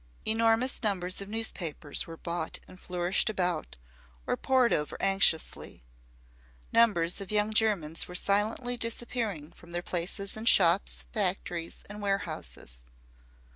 Enormous numbers of newspapers were bought and flourished about, or pored over anxiously. Numbers of young Germans were silently disappearing from their places in shops, factories and warehouses.